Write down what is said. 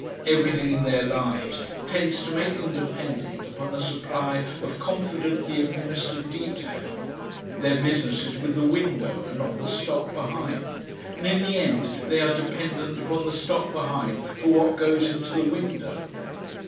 Everything in their lives tends to make them dependent upon a supply of confidently administered detail. Their business is with the window and not the stock behind, and in the end they are dependent upon the stock behind for what goes into the window.